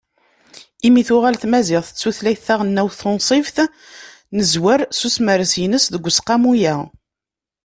Imi tuɣal tmaziɣt d tutlayt taɣelnawt tunṣibt, nezwer s usemres-ines deg Useqqamu-a.